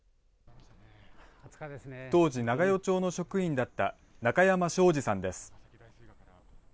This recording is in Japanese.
当時、長与町の職員だった中山庄治さんです。